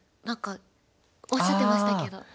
何かおっしゃってましたけど。